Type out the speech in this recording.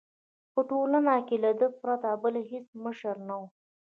په ټولنه کې له ده پرته بل هېڅ مشر نه وو.